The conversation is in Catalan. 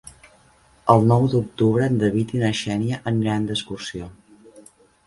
El nou d'octubre en David i na Xènia aniran d'excursió.